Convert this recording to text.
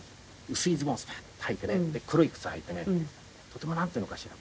薄いズボンスパッとはいてねで黒い靴履いてねとてもなんていうのかしら。